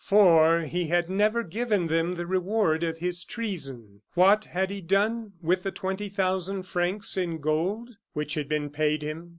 For he had never given them the reward of his treason. What had he done with the twenty thousand francs in gold which had been paid him?